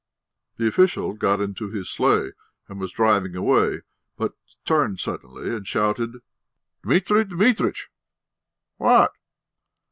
The official got into his sledge and was driving away, but turned suddenly and shouted: "Dmitri Dmitritch!" "What?"